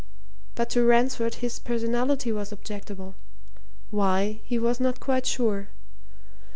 But to Ransford his personality was objectionable why, he was not quite sure.